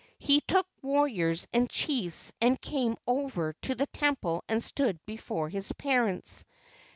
He took warriors and chiefs and came over to the temple and stood before his parents.